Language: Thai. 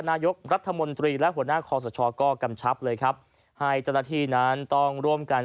นายกรัฐมนตรีและหัวหน้าคอสชก็กำชับเลยครับให้เจ้าหน้าที่นั้นต้องร่วมกัน